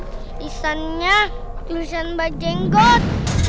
tulisannya tulisan mbak jenggot